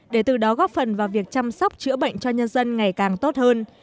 để từ đó góp phần vào việc chăm sóc chữa bệnh cho nhân dân ngày càng tốt hơn